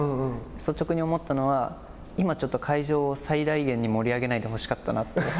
率直に思ったのは今ちょっと会場を最大限に盛り上げないでほしかったなって。